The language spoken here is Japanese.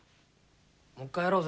もう一回やろうぜ。